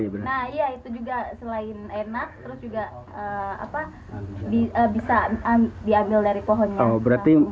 nah iya itu juga selain enak terus juga bisa diambil dari pohonnya